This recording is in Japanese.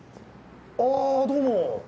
ああどうも。